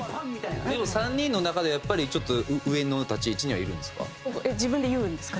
でも３人の中でやっぱりちょっと上の立ち位置にはいるんですか？